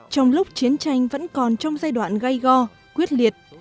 trong lúc chiến tranh vẫn còn trong giai đoạn gây go quyết liệt